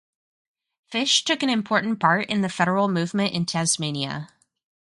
Fysh took an important part in the federal movement in Tasmania.